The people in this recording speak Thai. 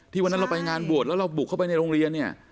วันนั้นเราไปงานบวชแล้วเราบุกเข้าไปในโรงเรียนเนี่ย